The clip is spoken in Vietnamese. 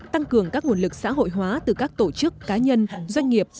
tăng cường các nguồn lực xã hội hóa từ các tổ chức cá nhân doanh nghiệp